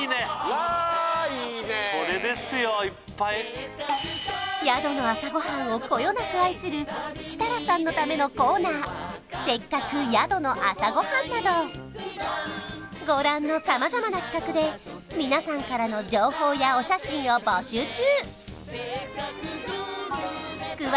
これですよいっぱい宿の朝ごはんをこよなく愛する設楽さんのためのコーナー「せっかく宿の朝ごはん」などご覧の様々な企画で皆さんからの情報やお写真を募集中！